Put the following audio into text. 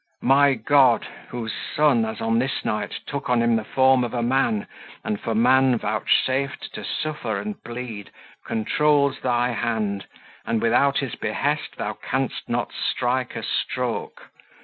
My God, whose Son, as on this night, took on Him the form of man, and for man vouchsafed to suffer and bleed, controls thy hand, and without His behest thou canst not strike a stroke.